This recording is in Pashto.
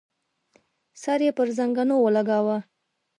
سر يې پر زنګنو ولګاوه.